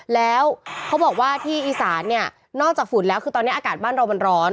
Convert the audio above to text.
แล้วเขาบอกว่าที่อีสานเนี่ยนอกจากฝุ่นแล้วคือตอนนี้อากาศบ้านเรามันร้อน